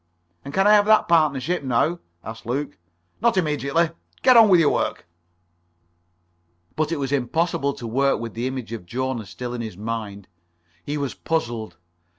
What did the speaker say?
"And can I have that partnership now?" asked Luke. "Not immediately. Get on with your work." But it was impossible to work with the image of Jona still in his mind. He was puzzled.